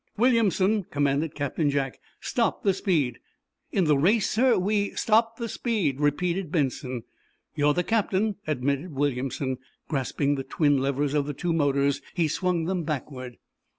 "Williamson," commanded Captain Jack, "stop the speed." "In the race, sir. We—" "Stop the speed," repeated Benson. "You're the captain," admitted Williamson. Grasping the twin levers of the two motors he swung them backward.